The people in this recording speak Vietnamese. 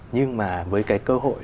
nhưng mà với cái cơ hội